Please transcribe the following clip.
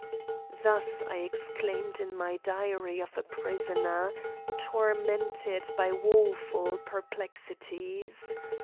Thus I exclaimed in my "Diary of a Prisoner," tormented by woeful perplexities.